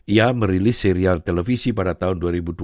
ia merilis serial televisi pada tahun dua ribu dua belas